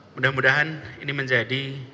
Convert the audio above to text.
mudah mudahan ini menjadi